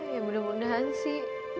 ya belum mudahan sih